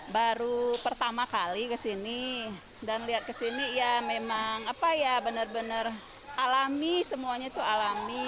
baru pertama kali kesini dan lihat kesini ya memang benar benar alami semuanya itu alami